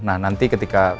nah nanti ketika